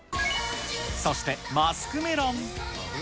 そして、マスクメロン。